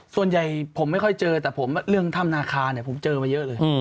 ส่วนใหญ่ผมไม่ค่อยเจอแต่ผมเรื่องถ้ำนาคาเนี่ยผมเจอมาเยอะเลย